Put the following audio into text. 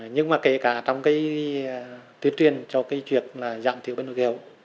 nhưng mà kể cả trong cái tuyên truyền cho cái chuyện là giảm thiệu biến đổi khí hậu